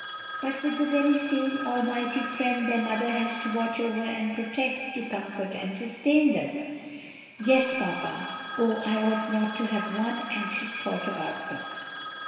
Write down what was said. "But with the very same Almighty Friend their mother has to watch over and protect, to comfort and sustain them." "Yes, papa! Oh, I ought not to have one anxious thought about them!"